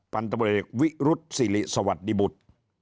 พันธุ์ตำรวจเอกวิรุธสิริสวัสดิบุตร